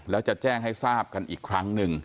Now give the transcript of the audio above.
แล้วจะแจ้งให้ทราบกันอีกครั้งหนึ่ง